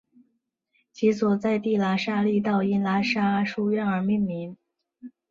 其所在地喇沙利道因喇沙书院而命名。